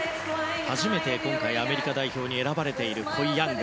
初めて今回アメリカ代表に選ばれているコイ・ヤング。